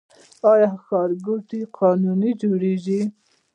آیا ښارګوټي قانوني جوړیږي؟